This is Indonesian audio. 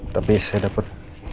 tapi saya dapet